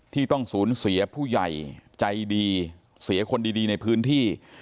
ที่ต้องสูญเสียผู้ใหญ่ใจดีเสียคนดีในพื้นที่